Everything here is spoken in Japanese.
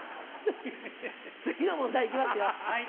次の問題いきますよ。